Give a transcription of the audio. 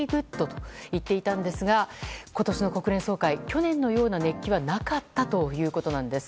と言っていたんですが今年の国連総会、去年のような熱気はなかったということです。